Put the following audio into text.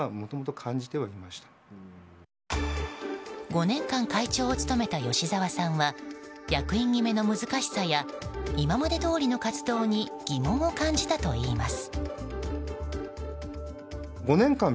５年間会長を務めた吉澤さんは役員決めの難しさや今までどおりの活動に疑問を感じたといいます。